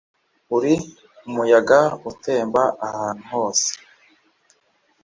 Uri umuyaga utemba ahantu hose